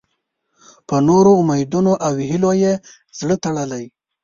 په نورو امیدونو او هیلو یې زړه تړلی.